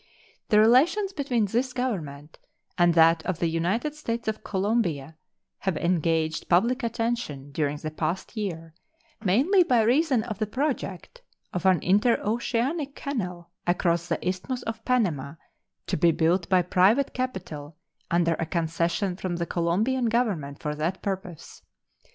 The relations between this Government and that of the United States of Colombia have engaged public attention during the past year, mainly by reason of the project of an interoceanic canal across the Isthmus of Panama, to be built by private capital under a concession from the Colombian Government for that purpose.